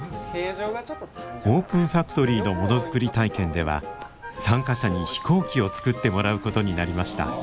オープンファクトリーのものづくり体験では参加者に飛行機を作ってもらうことになりました。